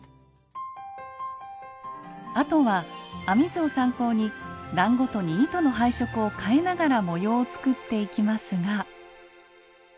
あとは編み図を参考に段ごとに糸の配色をかえながら模様を作っていきますが。